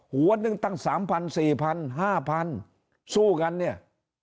หัวหนึ่งตั้งสามพันสี่พันห้าพันสู้กันเนี่ย